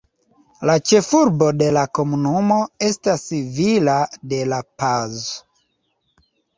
La ĉefurbo de la komunumo estas Villa de la Paz.